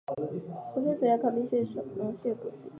湖水主要靠冰雪融水补给。